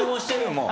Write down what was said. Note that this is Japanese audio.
もう。